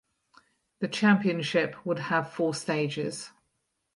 The championship would have four stages.